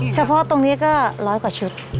เฉพาะตรงนี้ก็ร้อยกว่าชุด